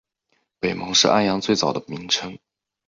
北蒙是安阳最早的名称。